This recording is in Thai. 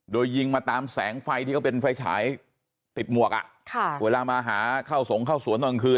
โดยยิงมาตามแสงไฟที่เขาเป็นไฟฉายติดหมวกอ่ะค่ะเวลามาหาเข้าสงเข้าสวนตอนกลางคืน